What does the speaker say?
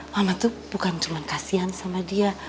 mama tuh bukan cuma kasihan sama dia